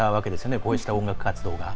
こうした音楽活動が。